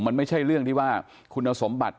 มันไม่ใช่เรื่องที่ว่าคุณสมบัติ